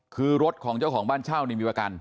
คือรถของเจ้าของบ้านเช่านี่มีประกัน